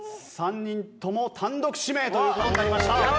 ３人とも単独指名という事になりました。